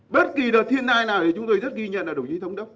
bất kỳ đợt thiên tai nào thì chúng tôi rất ghi nhận là đồng chí thống đốc